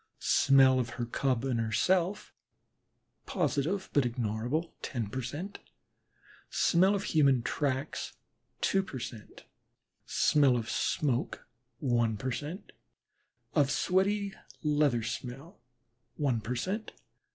smell of her Cub and herself, positive but ignorable, ten per cent.; smell of human tracks, two per cent.; smell of smoke, one per cent.; of sweaty leather smell, one per cent.